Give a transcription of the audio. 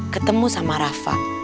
ketemu sama rafa